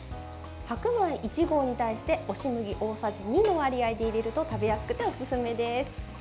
白米１合に対して押し麦大さじ２の割合で入れると食べやすくておすすめです。